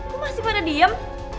kok masih pada diem